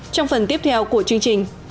trong phần tiếp theo của chương trình